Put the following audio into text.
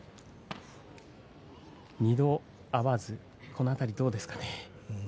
２度合わずこの辺りはどうですかね。